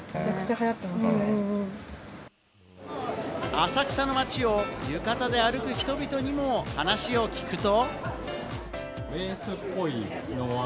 浅草の街を浴衣で歩く人々にも話を聞くと。